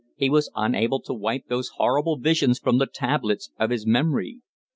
He was unable to wipe those horrible visions from the tablets of his memory.